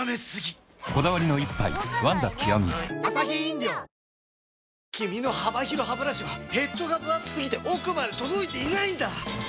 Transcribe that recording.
こだわりの一杯「ワンダ極」君の幅広ハブラシはヘッドがぶ厚すぎて奥まで届いていないんだ！